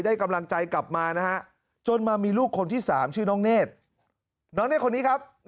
กำลังใจกลับมานะฮะจนมามีลูกคนที่๓ชื่อน้องเนธน้องเนธคนนี้ครับ